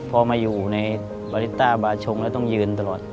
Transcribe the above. พอมาอยู่ในปาริต้าบาชงแล้วต้องยืนตลอด